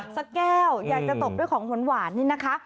สักแก้วอยากจะตกด้วยของหวานนี่นะคะ